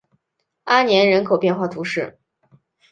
阿年人口变化图示